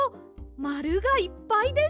まるがいっぱいです！